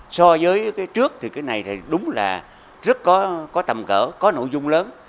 so với trước thì cái này đúng là rất có tầm cỡ có nội dung lớn